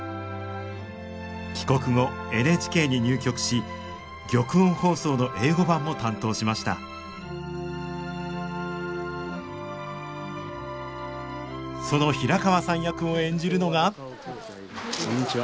帰国後ＮＨＫに入局し玉音放送の英語版も担当しましたその平川さん役を演じるのがこんにちは。